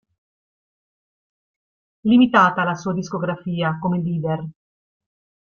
Limitata la sua discografia come leader.